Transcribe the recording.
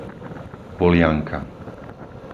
Polianka